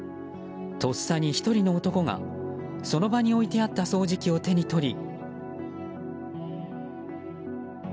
とっさに１人の男がその場に置いてあった掃除機を手に取り。